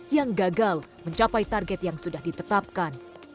yang gagal mencapai target yang sudah ditetapkan